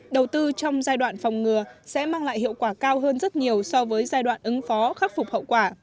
đầu tư trong giai đoạn phòng ngừa sẽ mang lại hiệu quả cao hơn rất nhiều so với giai đoạn ứng phó khắc phục hậu quả